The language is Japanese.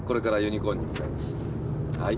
はい。